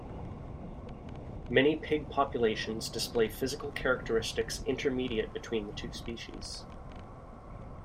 Many pig populations display physical characteristics intermediate between the two species.